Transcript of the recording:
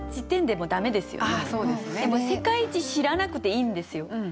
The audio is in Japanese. でも世界一知らなくていいんですよ。